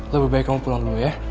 lebih baik kamu pulang dulu ya